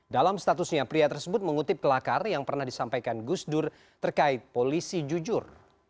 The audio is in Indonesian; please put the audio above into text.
dalam statusnya pria tersebut mengutip kelakar yang pernah disampaikan gus dur terkait polisi jujur